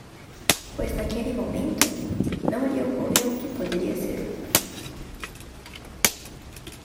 Pois naquele momento? não lhe ocorreu que poderia ser oco.